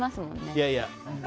いやいや。